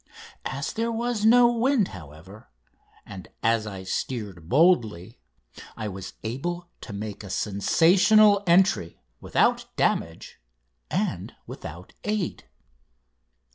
As there was no wind, however, and as I steered boldly, I was able to make a sensational entry without damage and without aid.